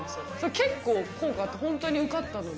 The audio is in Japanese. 結構、効果あって、本当に受かったので。